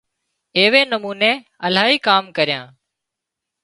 ايوي نموني الاهي ڪام ڪريان